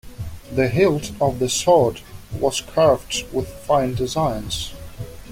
The hilt of the sword was carved with fine designs.